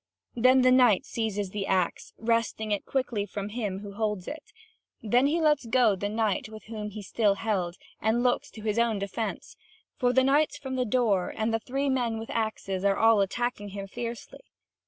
Then the knight seizes the axe, wresting it quickly from him who holds it; then he lets go the knight whom he still held, and looks to his own defence; for the knights from the door, and the three men with axes are all attacking him fiercely.